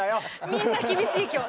みんな厳しい今日。